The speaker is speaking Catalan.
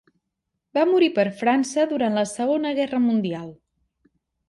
Va morir per França durant la Segona Guerra Mundial.